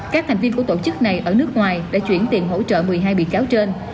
các thành viên của tổ chức này ở nước ngoài đã chuyển tiền hỗ trợ một mươi hai bị cáo trên